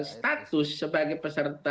status sebagai persoarangan